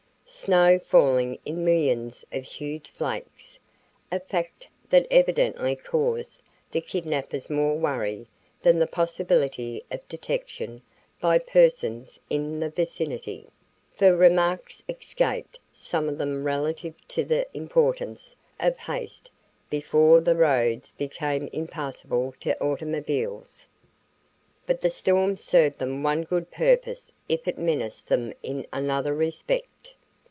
Snow falling in millions of huge flakes, a fact that evidently caused the kidnappers more worry than the possibility of detection by persons in the vicinity, for remarks escaped some of them relative to the importance of haste before the roads became impassable to automobiles. But the storm served them one good purpose if it menaced them in another respect.